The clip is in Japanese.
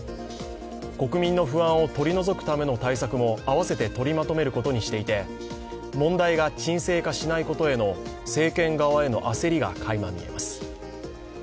国民の不安を取り除くための対策も併せて取りまとめることにしていて問題が沈静化しないことへの政権側への焦りがかいま見えます。